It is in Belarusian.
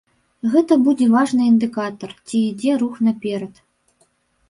Гэта будзе важны індыкатар, ці ідзе рух наперад.